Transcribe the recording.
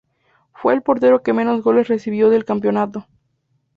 Fue el portero que menos goles recibió del campeonato.